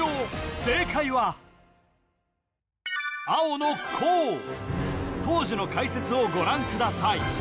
正解は青の「向」当時の解説をご覧ください